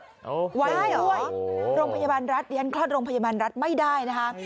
ไว้ได้ด้วยโรงพยาบาลรัฐเรียนคลอดโรงพยาบาลรัฐไม่ได้นะคะ